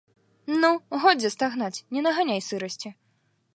Ну, годзе стагнаць, не наганяй сырасці.